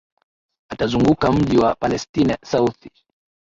atazunguka mji wa palestina southi